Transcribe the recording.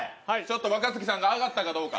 若槻さんが終わったかどうか。